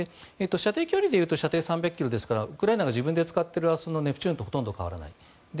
射程距離でいうと射程３００ｋｍですからウクライナが使っているネプチューンとほとんど変わらない。